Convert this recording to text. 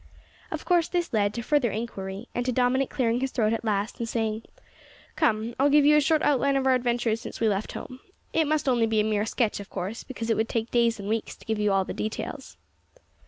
Of course this led to further inquiry, and to Dominick clearing his throat at last, and saying "Come, I'll give you a short outline of our adventures since we left home. It must only be a mere sketch, of course, because it would take days and weeks to give you all the details."